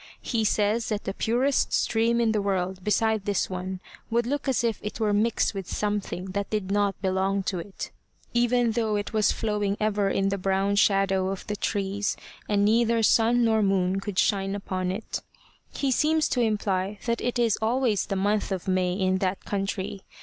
He says that the purest stream in the world beside this one would look as if it were mixed with something that did not belong to it, even although it was flowing ever in the brown shadow of the trees, and neither sun nor moon could shine upon it. He seems to imply that it is always the month of May in that country.